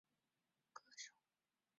歌曲曾被许多歌手翻唱。